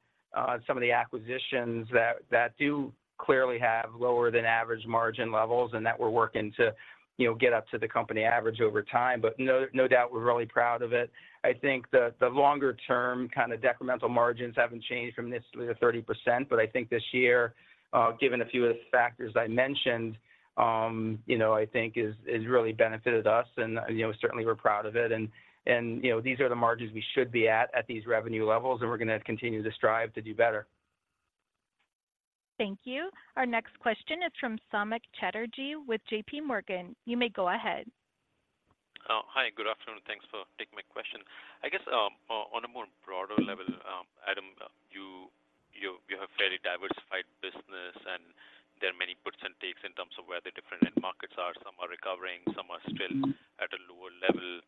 some of the acquisitions that do clearly have lower than average margin levels and that we're working to, you know, get up to the company average over time. But no doubt, we're really proud of it. I think the longer term, kind of, decremental margins haven't changed from this to the 30%, but I think this year, given a few of the factors I mentioned, you know, I think has really benefited us. And, you know, certainly we're proud of it. You know, these are the margins we should be at, at these revenue levels, and we're going to continue to strive to do better. Thank you. Our next question is from Samik Chatterjee with JP Morgan. You may go ahead. Hi, good afternoon. Thanks for taking my question. I guess, on a more broader level, Adam, you have a fairly diversified business, and there are many puts and takes in terms of where the different end markets are. Some are recovering, some are still at a lower level,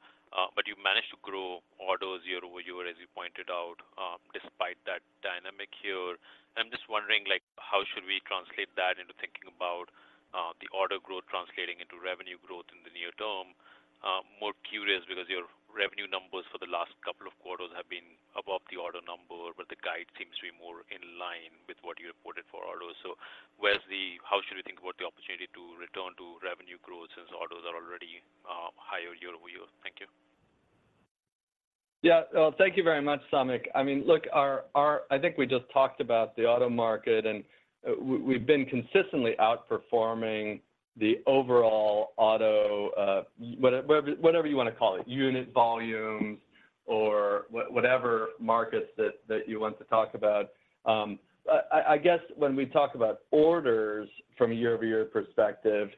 but you managed to grow orders year over year, as you pointed out, despite that dynamic here. I'm just wondering, like, how should we translate that into thinking about the order growth translating into revenue growth in the near term? More curious, because your revenue numbers for the last couple of quarters have been above the order number, but the guide seems to be more in line with what you reported for orders. So how should we think about the opportunity to return to revenue growth since orders are already higher year over year? Thank you. Yeah. Well, thank you very much, Samik. I mean, look, our, I think we just talked about the auto market, and we've been consistently outperforming the overall auto, whatever you want to call it, unit volumes or whatever markets that you want to talk about. I guess when we talk about orders from a year-over-year perspective,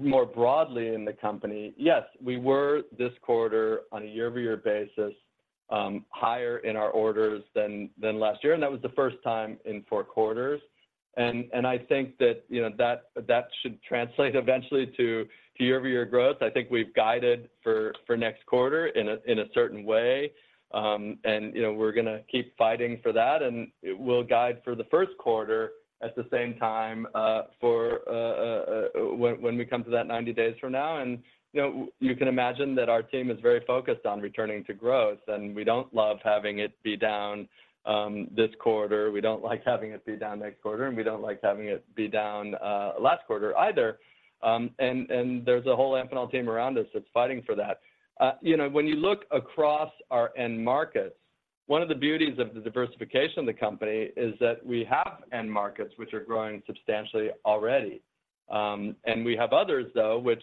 more broadly in the company, yes, we were this quarter on a year-over-year basis, higher in our orders than last year, and that was the first time in four quarters. And I think that, you know, that should translate eventually to year-over-year growth. I think we've guided for next quarter in a certain way, and, you know, we're going to keep fighting for that, and we'll guide for the Q1 at the same time, when we come to that 90 days from now. You know, you can imagine that our team is very focused on returning to growth, and we don't love having it be down this quarter. We don't like having it be down next quarter, and we don't like having it be down last quarter either. And there's a whole Amphenol team around us that's fighting for that. You know, when you look across our end markets, one of the beauties of the diversification of the company is that we have end markets which are growing substantially already. We have others, though, which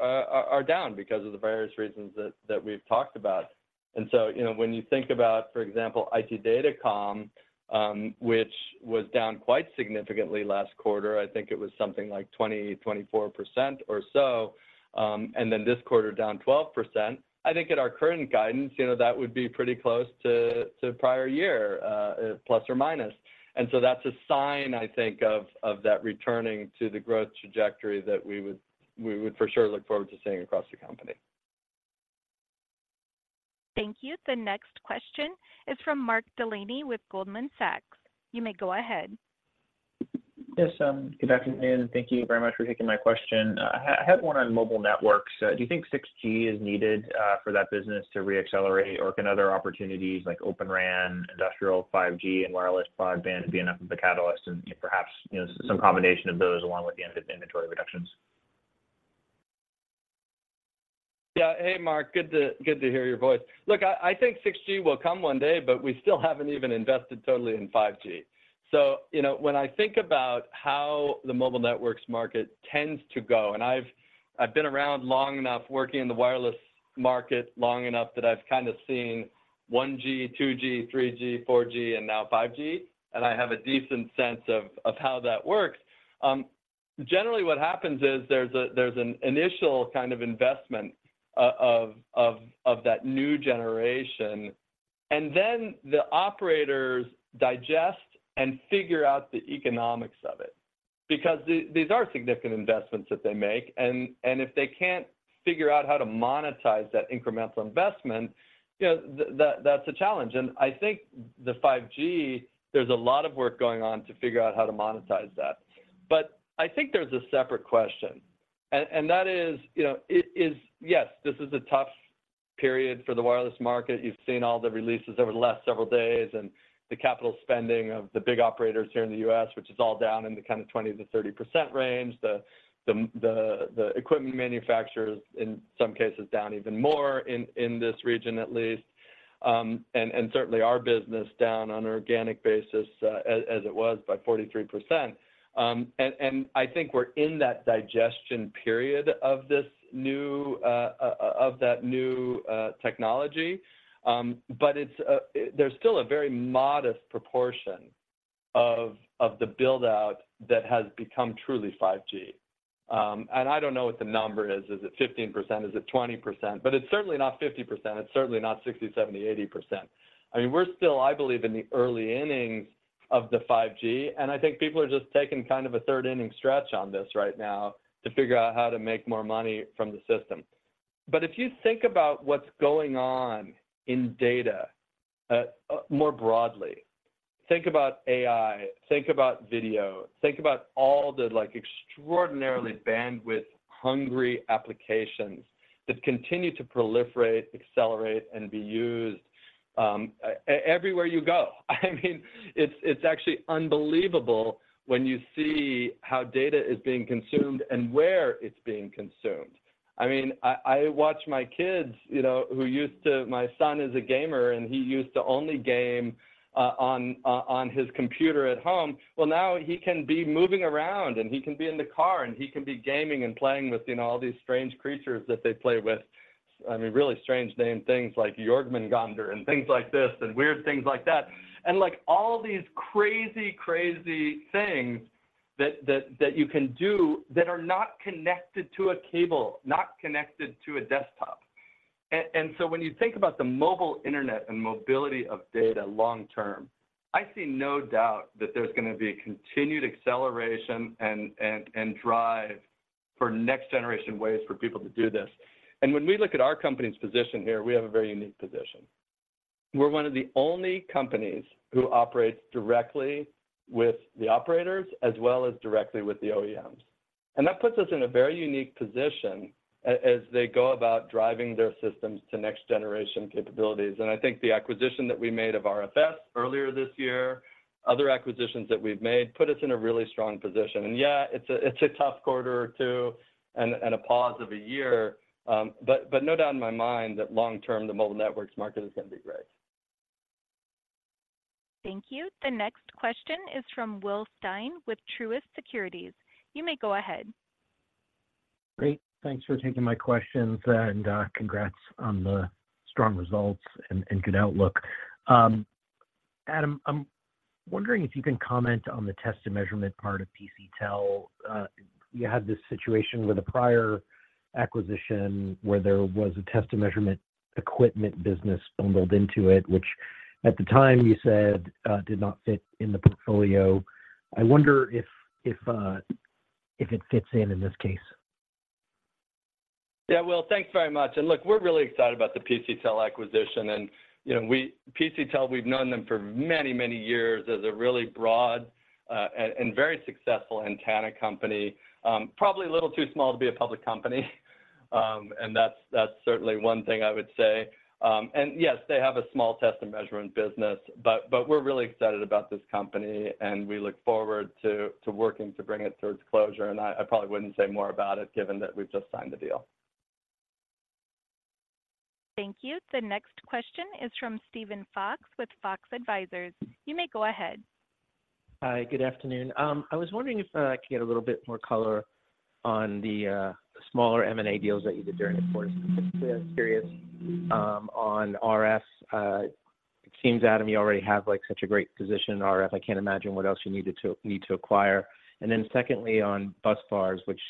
are down because of the various reasons that we've talked about. So, you know, when you think about, for example, IT Datacom, which was down quite significantly last quarter, I think it was something like 24% or so, and then this quarter down 12%. I think at our current guidance, you know, that would be pretty close to prior year ±. So that's a sign, I think, of that returning to the growth trajectory that we would for sure look forward to seeing across the company.... Thank you. The next question is from Mark Delaney with Goldman Sachs. You may go ahead. Yes, good afternoon, and thank you very much for taking my question. I had one on mobile networks. Do you think 6G is needed for that business to re-accelerate, or can other opportunities like Open RAN, industrial 5G and wireless broadband be enough of a catalyst, and perhaps, you know, some combination of those, along with the end of inventory reductions? Yeah. Hey, Mark, good to hear your voice. Look, I think 6G will come one day, but we still haven't even invested totally in 5G. So, you know, when I think about how the mobile networks market tends to go, and I've been around long enough working in the wireless market, long enough that I've kind of seen 1G, 2G, 3G, 4G, and now 5G, and I have a decent sense of how that works. Generally, what happens is there's an initial kind of investment of that new generation, and then the operators digest and figure out the economics of it. Because these are significant investments that they make, and if they can't figure out how to monetize that incremental investment, you know, that, that's a challenge. And I think the 5G, there's a lot of work going on to figure out how to monetize that. But I think there's a separate question, and that is, you know, it is. Yes, this is a tough period for the wireless market. You've seen all the releases over the last several days and the capital spending of the big operators here in the U.S., which is all down in the kind of 20%-30% range. The equipment manufacturers, in some cases, down even more in this region at least. And certainly our business down on an organic basis, as it was by 43%. And I think we're in that digestion period of this new technology. But it's, there's still a very modest proportion of the build-out that has become truly 5G. And I don't know what the number is. Is it 15%? Is it 20%? But it's certainly not 50%. It's certainly not 60, 70, 80%. I mean, we're still, I believe, in the early innings of the 5G, and I think people are just taking kind of a third inning stretch on this right now to figure out how to make more money from the system. But if you think about what's going on in data more broadly, think about AI, think about video, think about all the like extraordinarily bandwidth-hungry applications that continue to proliferate, accelerate, and be used everywhere you go. I mean, it's actually unbelievable when you see how data is being consumed and where it's being consumed. I mean, I watch my kids, you know, who used to—my son is a gamer, and he used to only game on his computer at home. Well, now he can be moving around, and he can be in the car, and he can be gaming and playing with, you know, all these strange creatures that they play with. I mean, really strange name things like Jörmungandr and things like this, and weird things like that. And like all these crazy, crazy things that you can do that are not connected to a cable, not connected to a desktop. And so when you think about the mobile internet and mobility of data long term, I see no doubt that there's gonna be a continued acceleration and drive for next-generation ways for people to do this. And when we look at our company's position here, we have a very unique position. We're one of the only companies who operates directly with the operators as well as directly with the OEMs. And that puts us in a very unique position as they go about driving their systems to next-generation capabilities. And I think the acquisition that we made of RFS earlier this year, other acquisitions that we've made, put us in a really strong position. And yeah, it's a tough quarter or two and a pause of a year, but no doubt in my mind that long term, the mobile networks market is gonna be great. Thank you. The next question is from Will Stein with Truist Securities. You may go ahead. Great. Thanks for taking my questions, and congrats on the strong results and good outlook. Adam, I'm wondering if you can comment on the test and measurement part of PCTEL. You had this situation with a prior acquisition where there was a test and measurement equipment business bundled into it, which at the time you said did not fit in the portfolio. I wonder if it fits in this case? Yeah, Will, thanks very much. And look, we're really excited about the PCTEL acquisition, and, you know, we PCTEL, we've known them for many, many years as a really broad and very successful antenna company. Probably a little too small to be a public company, and that's certainly one thing I would say. And yes, they have a small test and measurement business, but we're really excited about this company, and we look forward to working to bring it towards closure. And I probably wouldn't say more about it, given that we've just signed the deal. Thank you. The next question is from Steven Fox with Fox Advisors. You may go ahead. Hi, good afternoon. I was wondering if I could get a little bit more color on the smaller M&A deals that you did during the quarter. Specifically, I was curious on RF, it seems, Adam, you already have, like, such a great position in RF. I can't imagine what else you need to acquire. And then secondly, on busbars, which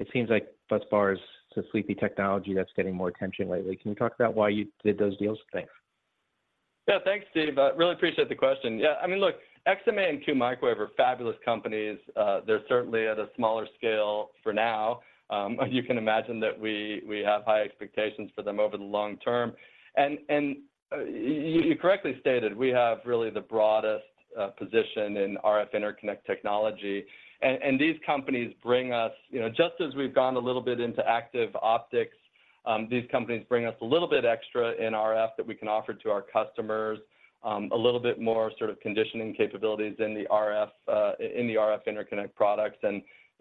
it seems like busbars is a sleepy technology that's getting more attention lately. Can you talk about why you did those deals? Thanks.... Yeah, thanks, Steve. I really appreciate the question. Yeah, I mean, look, XMA and Q Microwave are fabulous companies. They're certainly at a smaller scale for now. You can imagine that we have high expectations for them over the long term. And you correctly stated, we have really the broadest position in RF interconnect technology. And these companies bring us. You know, just as we've gone a little bit into active optics, these companies bring us a little bit extra in RF that we can offer to our customers, a little bit more sort of conditioning capabilities in the RF, in the RF interconnect products.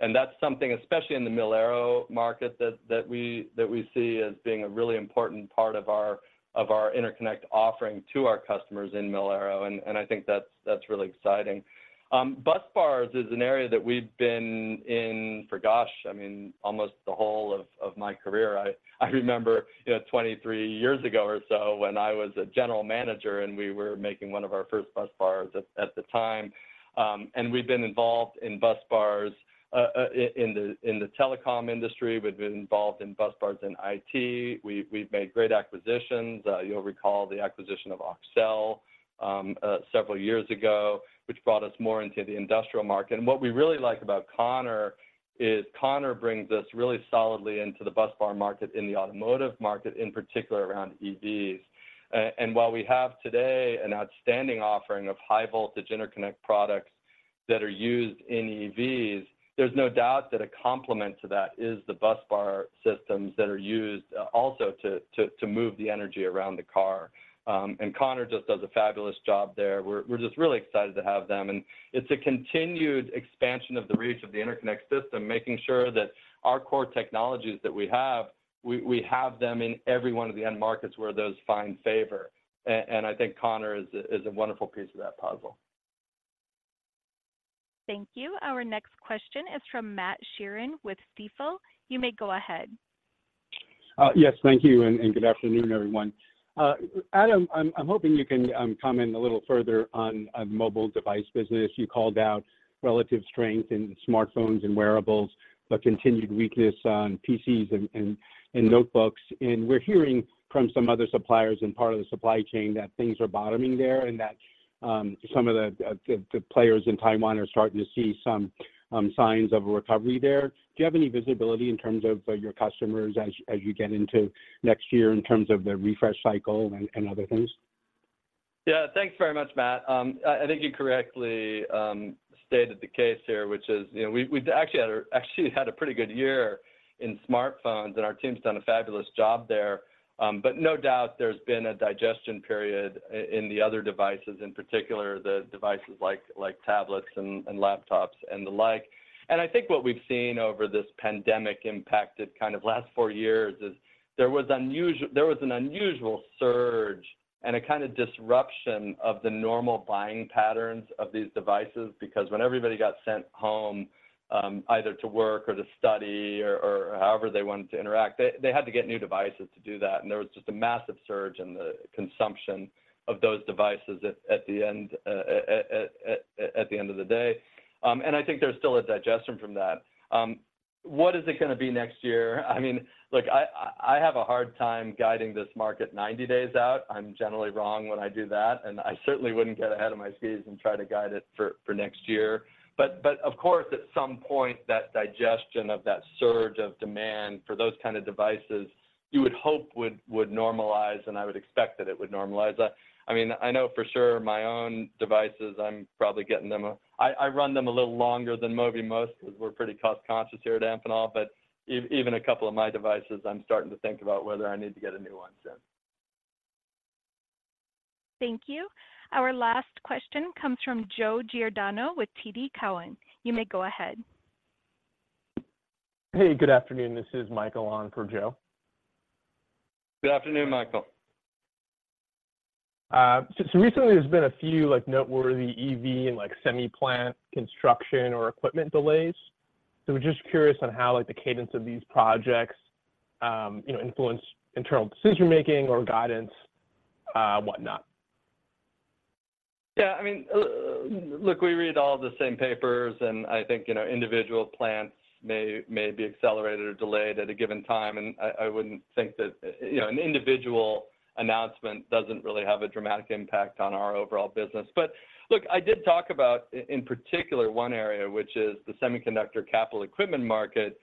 And that's something, especially in the mil-aero market, that we see as being a really important part of our interconnect offering to our customers in mil-aero. I think that's really exciting. Busbars is an area that we've been in for, gosh, I mean, almost the whole of my career. I remember, you know, 23 years ago or so when I was a general manager, and we were making one of our first busbars at the time. And we've been involved in busbars in the telecom industry. We've been involved in busbars in IT. We've made great acquisitions. You'll recall the acquisition of Auxel several years ago, which brought us more into the industrial market. And what we really like about Connor is Connor brings us really solidly into the busbar market, in the automotive market, in particular around EVs. And while we have today an outstanding offering of high-voltage interconnect products that are used in EVs, there's no doubt that a complement to that is the busbar systems that are used also to move the energy around the car. And Connor just does a fabulous job there. We're just really excited to have them, and it's a continued expansion of the reach of the interconnect system, making sure that our core technologies that we have, we have them in every one of the end markets where those find favor. And I think Connor is a wonderful piece of that puzzle. Thank you. Our next question is from Matt Sheerin with Stifel. You may go ahead. Yes, thank you, and good afternoon, everyone. Adam, I'm hoping you can comment a little further on mobile device business. You called out relative strength in smartphones and wearables, but continued weakness on PCs and notebooks. And we're hearing from some other suppliers and part of the supply chain that things are bottoming there, and that some of the players in Taiwan are starting to see some signs of a recovery there. Do you have any visibility in terms of your customers as you get into next year in terms of the refresh cycle and other things? Yeah. Thanks very much, Matt. I think you correctly stated the case here, which is, you know, we've actually had a pretty good year in smartphones, and our team's done a fabulous job there. But no doubt there's been a digestion period in the other devices, in particular, the devices like tablets and laptops and the like. And I think what we've seen over this pandemic-impacted kind of last four years is there was an unusual surge and a kind of disruption of the normal buying patterns of these devices. Because when everybody got sent home, either to work or to study or however they wanted to interact, they had to get new devices to do that, and there was just a massive surge in the consumption of those devices at the end of the day. I think there's still a digestion from that. What is it gonna be next year? I mean, look, I have a hard time guiding this market 90 days out. I'm generally wrong when I do that, and I certainly wouldn't get ahead of my skis and try to guide it for next year. But of course, at some point, that digestion of that surge of demand for those kind of devices, you would hope would normalize, and I would expect that it would normalize. I mean, I know for sure my own devices, I'm probably getting them. I run them a little longer than maybe most because we're pretty cost-conscious here at Amphenol, but even a couple of my devices, I'm starting to think about whether I need to get a new one soon. Thank you. Our last question comes from Joe Giordano with TD Cowen. You may go ahead. Hey, good afternoon. This is Michael on for Joe. Good afternoon, Michael. So recently, there's been a few, like, noteworthy EV and, like, semi plant construction or equipment delays. So we're just curious on how, like, the cadence of these projects, you know, influence internal decision-making or guidance, whatnot. Yeah, I mean, look, we read all the same papers, and I think, you know, individual plants may be accelerated or delayed at a given time, and I wouldn't think that... You know, an individual announcement doesn't really have a dramatic impact on our overall business. But look, I did talk about in particular, one area, which is the semiconductor capital equipment market,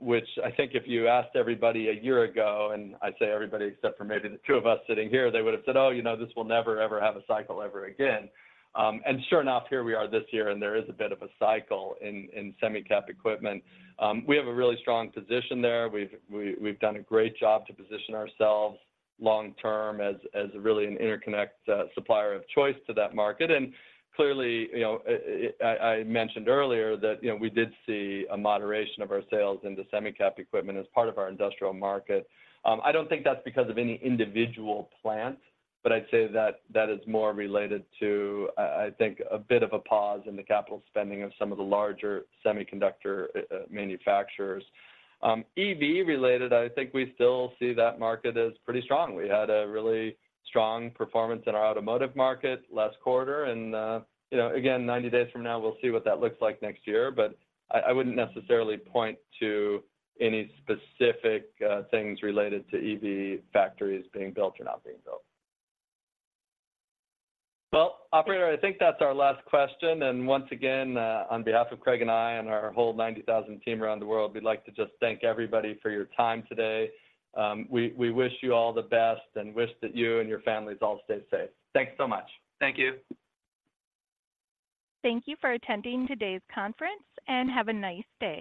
which I think if you asked everybody a year ago, and I'd say everybody, except for maybe the two of us sitting here, they would have said, "Oh, you know, this will never, ever have a cycle ever again." And sure enough, here we are this year, and there is a bit of a cycle in semicap equipment. We have a really strong position there. We've done a great job to position ourselves long term as really an interconnect supplier of choice to that market. And clearly, you know, I mentioned earlier that, you know, we did see a moderation of our sales into semicap equipment as part of our industrial market. I don't think that's because of any individual plant, but I'd say that is more related to, I think, a bit of a pause in the capital spending of some of the larger semiconductor manufacturers. EV-related, I think we still see that market as pretty strong. We had a really strong performance in our automotive market last quarter, and, you know, again, 90 days from now, we'll see what that looks like next year. But I, I wouldn't necessarily point to any specific things related to EV factories being built or not being built. Well, operator, I think that's our last question, and once again, on behalf of Craig and I and our whole 90,000 team around the world, we'd like to just thank everybody for your time today. We, we wish you all the best and wish that you and your families all stay safe. Thank you so much. Thank you. Thank you for attending today's conference, and have a nice day.